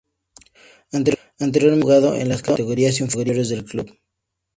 Anteriormente, había jugado en las categorías inferiores del club.